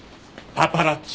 パパラッチ。